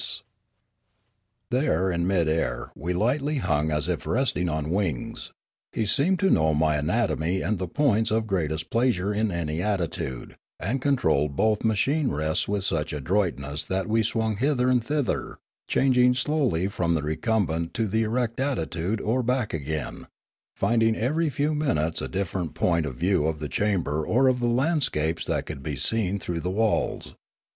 My Awakening 7 There in mid air we lightly hung as if resting on wings; he seemed to know my anatomy and the points of greatest pressure in any attitude, and controlled both machine rests with such adroitness that we swung hither and thither, changing slowly from the recumbent to the erect attitude or back again, finding every few minutes a different point of view of the chamber or of the landscapes that could be seen through the walls.